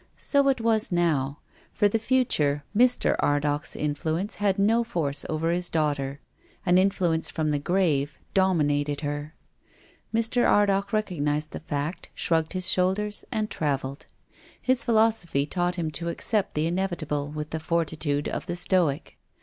So it was now. For the future Mr. Ardagh's influence had no force over his daughter. An influence from the grave dom inated her. Mr. Ardagh recognised the fact, shrugged his shoulders and travelled. His phi losophy taught him to accept the inevitable with the fortitude of the Stoic.